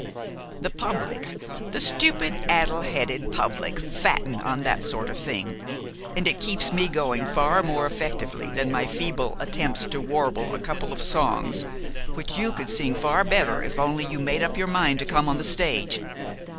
The public, the stupid, addle headed public, fatten on that sort of thing, and it keeps me going far more effectively than my feeble attempts to warble a couple of songs which you could sing far better if only you made up your mind to come on the stage.